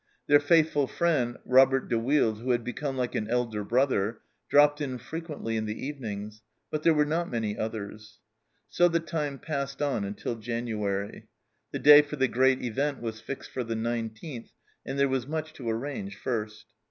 Their faithful friend, Robert de Wilde, who had become like an elder brother, dropped in frequently in the evenings, but there were not many others. So the time passed on until January. The day for the great event was fixed for the nineteenth, and there was much to arrange first.